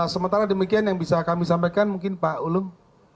sementara demikian yang bisa kami sampaikan mungkin pak ulum